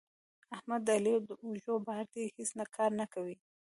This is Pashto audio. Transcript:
احمد د علي د اوږو بار دی؛ هیڅ کار نه کوي.